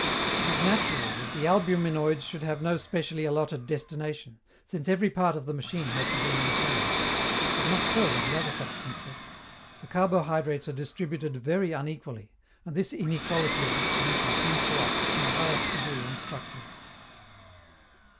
It is natural that the albuminoids should have no specially allotted destination, since every part of the machine has to be maintained. But not so with the other substances. The carbohydrates are distributed very unequally, and this inequality of distribution seems to us in the highest degree instructive.